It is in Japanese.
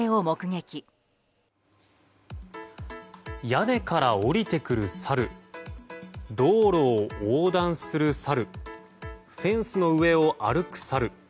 屋根から下りてくるサル道路を横断するサルフェンスの上を歩くサル。